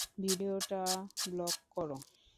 ভিডিওটা ব্লক করো।